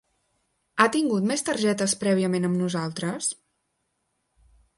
Ha tingut més targetes prèviament amb nosaltres?